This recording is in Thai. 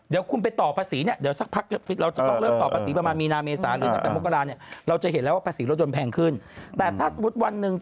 เดี๋ยวจะเจอภาษีเยอะเราจะเห็นแล้วว่าภาษีรถยนต์แพงขึ้นแต่ถ้าสมมุติวันหนึ่ง